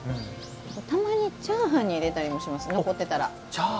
たまにチャーハンに入れたりもします、残ってたら。